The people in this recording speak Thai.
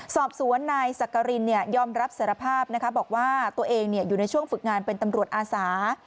สอบสวนนายสักกรินยอมรับสารภาพบอกว่าตัวเองอยู่ในช่วงฝึกงานเป็นตำรวจอาสา